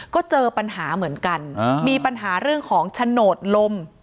ก็เจอปัญหาเหมือนกันมีปัญหาเรื่องของโฉนดลม